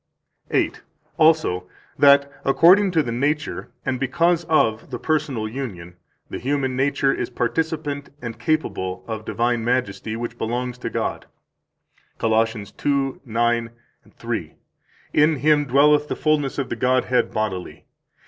163 Also, that, according to the nature and because of the personal union, the human nature is participant and capable of divine majesty which belongs to God. 164 Col. 2:9.3: In Him dwelleth all the fullness of the Godhead bodily.